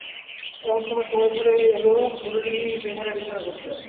এমন সময়ে শোবার ঘরে এল মুরলী বেহারা বিছানা করতে।